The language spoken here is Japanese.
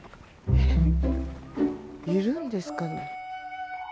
いるんですかね？